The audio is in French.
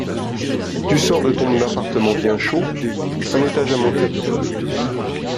Tu sors de ton appartement bien chaud … un étage à monter …